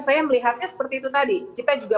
saya melihatnya seperti itu tadi kita juga